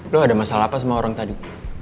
lo ada masalah apa sama orang tadi